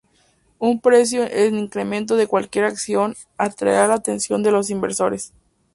Un precio en incremento de cualquier acción atraerá la atención de los inversores.